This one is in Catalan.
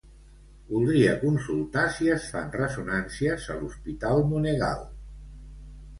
Voldria consultar si es fan ressonàncies a l'hospital Monegal.